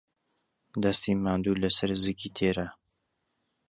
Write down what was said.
دەستی ماندوو لەسەر زگی تێرە.